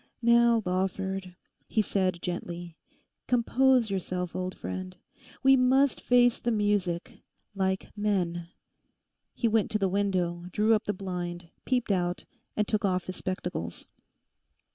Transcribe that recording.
'Now, Lawford,' he said gently, 'compose yourself, old friend. We must face the music—like men.' He went to the window, drew up the blind, peeped out, and took off his spectacles.